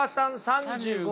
３５。